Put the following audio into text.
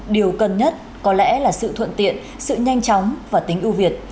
điều cần nhất có lẽ là sự thuận tiện sự nhanh chóng và tính ưu việt